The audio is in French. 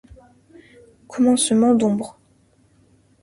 Commencement d’ombre